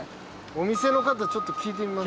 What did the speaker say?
お店の方ちょっと聞いてみます？